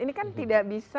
ini kan tidak bisa